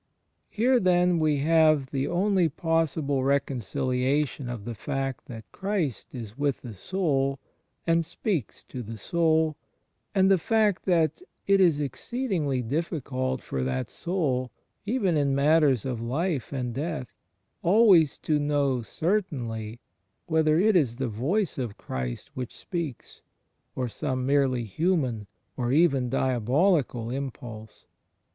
Here, then, we have the only possible reconciliation of the fact that Christ is with the soul, and speaks to the soul, and the fact that it is exceedingly difficult for that soul, even in matters of life and death, always to know certainly whether it is the Voice of Christ which speaks, or some merely human, or even diabolical, impulse.